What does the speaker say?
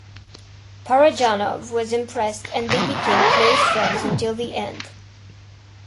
Parajanov was impressed and they became close friends until the end.